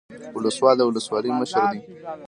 ولسوال د ولسوالۍ مشر دی